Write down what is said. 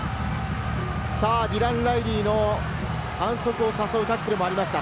ディラン・ライリーの反則を誘うタックルもありました。